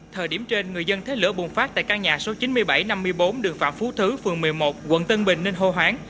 thời điểm trên người dân thấy lửa bùng phát tại căn nhà số chín mươi bảy năm mươi bốn đường phạm phú thứ phường một mươi một quận tân bình nên hô hoáng